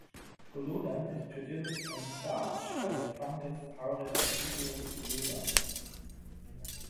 Pullulan is produced from starch by the fungus "Aureobasidium pullulans".